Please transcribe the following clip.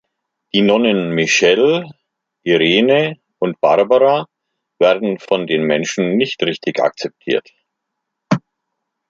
Die Nonnen Michelle, Irene und Barbara werden von den Menschen nicht richtig akzeptiert.